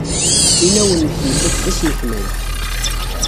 Inaw-nnek yella-d d asneknay.